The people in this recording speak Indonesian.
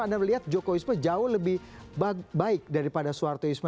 anda melihat joko wisma jauh lebih baik daripada soehartoisme